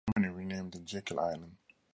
The company renamed it Jekyl Island.